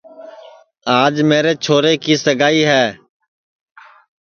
آج میرے چھورے کی سگائی ہے